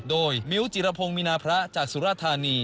โดยมิ้วจิรพงศ์มีนาพระจากสุราธานี